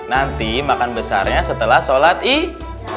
nanti makan besarnya setelah sholat ih